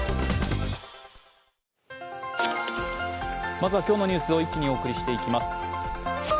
まずは、今日のニュースを一気にお送りしていきます。